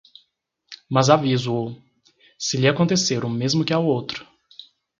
Mas aviso-o: se lhe acontecer o mesmo que ao outro